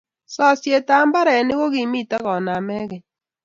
sosyetab mbarenik ko kimito koname keny.